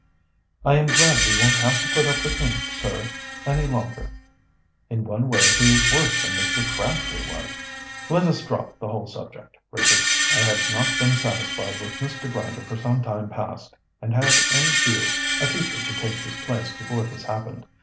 "I am glad we won't have to put up with him, sir, any longer. In one way, he is worse than Mr. Crabtree was." "Let us drop the whole subject, Richard. I have not been satisfied with Mr. Grinder for some time past, and had in view a teacher to take his place before this happened.